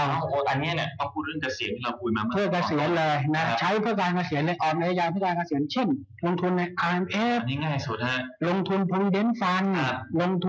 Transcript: ว่าถ้าจะได้มีเงินออกทุกตอนก็ต้องให้ยางเมื่อเสียงเลย